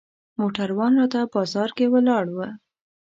موټروان راته بازار کې ولاړ و.